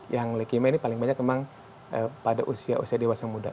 yang leukemia ini paling banyak memang pada usia usia dewasa muda